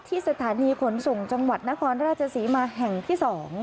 สถานีขนส่งจังหวัดนครราชศรีมาแห่งที่๒